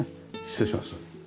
失礼します。